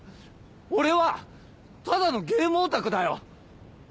俺はただのゲームオタクだよ。